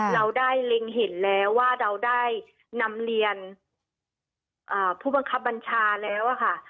เราได้เล็งเห็นแล้วว่าเราได้นำเรียนผู้บังคับบัญชาแล้วค่ะ